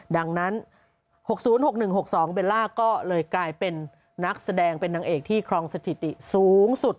ดังนั้น๖๐๖๑๖๒เบลล่าก็เลยกลายเป็นนักแสดงเป็นนางเอกที่ครองสถิติสูงสุด